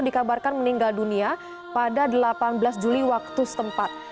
dikabarkan meninggal dunia pada delapan belas juli waktu setempat